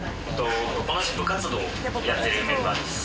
同じ部活動をやってるメンバーです。